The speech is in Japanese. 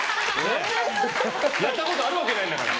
やったことあるわけないんだから。